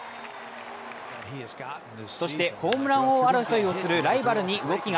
そしてホームラン王争いをするライバルに動きが。